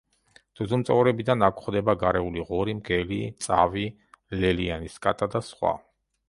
ძუძუმწოვრებიდან აქ გვხვდება გარეული ღორი, მგელი, წავი, ლელიანის კატა და სხვა.